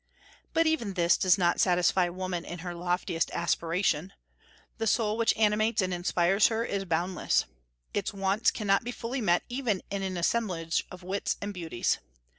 But even this does not satisfy woman in her loftiest aspirations. The soul which animates and inspires her is boundless. Its wants cannot be fully met even in an assemblage of wits and beauties.